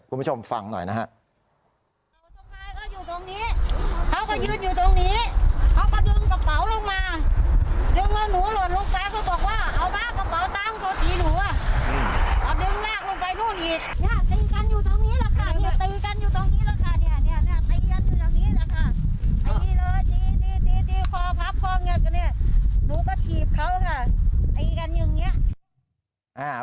คุณผู้ชมฟังหน่อยนะฮะ